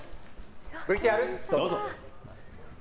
ＶＴＲ、どうぞ。